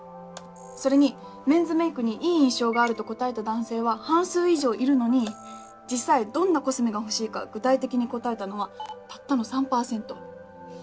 それにメンズメイクにいい印象があると答えた男性は半数以上いるのに実際どんなコスメが欲しいか具体的に答えたのはたったの３％。